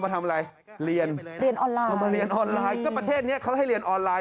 สำหรับหนูมันเป็นเรื่องที่ใหญ่มาก